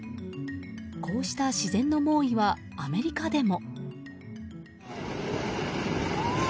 こうした自然の猛威はアメリカでも。